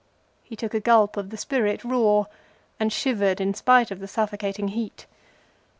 He took a gulp of the spirit raw, and shivered in spite of the suffocating heat.